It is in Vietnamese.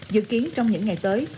dự kiến trong những ngày tới